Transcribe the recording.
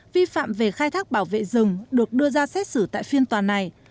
vi phạm về khai thác bảo vệ rừng được đưa ra xét xử tại phiên tòa này